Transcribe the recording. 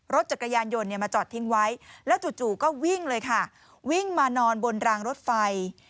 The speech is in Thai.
รถจักรยานยนต์มาจอดทิ้งไว้แล้วจู่ก็วิ่งเลยค่ะวิ่งมานอนบนรางรถไฟ